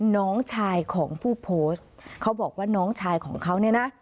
น้องชายของผู้โพสต์เขาบอกว่าน้องชายของเขาเนี่ยนะ